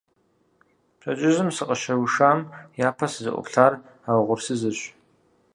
Пщэдджыжьым сыкъыщыушам япэ сызыӀуплъар а угъурсызырщ.